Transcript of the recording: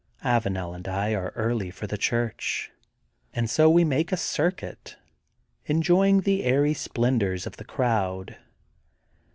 Avanel and I are early for Church and so we make a circuit, enjoying the airy splen dors of the crowd.